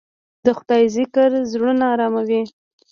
د خدای ذکر زړونه اراموي.